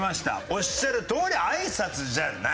おっしゃるとおり挨拶じゃない。